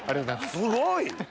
すごい。